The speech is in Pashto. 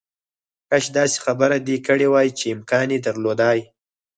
کاش داسې خبره دې کړې وای چې امکان یې درلودای